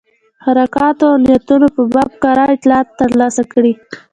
حرکاتو او نیتونو په باب کره اطلاعات ترلاسه کړي.